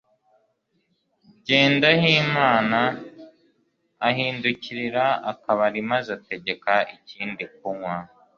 Jyendayimana ahindukirira akabari maze ategeka ikindi kunywa